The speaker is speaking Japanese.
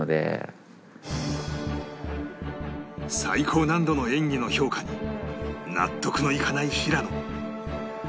最高難度の演技の評価に納得のいかない平野